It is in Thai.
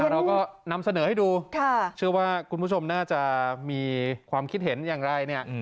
เราก็นำเสนอให้ดูเชื่อว่าคุณผู้ชมน่าจะมีความคิดเห็นอย่างไรเนี่ย